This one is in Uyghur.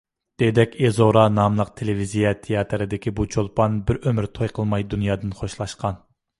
«دېدەك ئىزورا» ناملىق تېلېۋىزىيە تىياتىرىدىكى بۇ چولپان بىر ئۆمۈر توي قىلماي دۇنيادىن خوشلاشقان.